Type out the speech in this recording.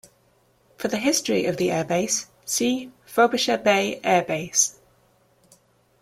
For the history of the air base, see Frobisher Bay Air Base.